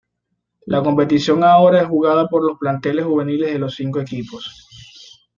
La competición ahora es jugada por los planteles juveniles de los cinco equipos.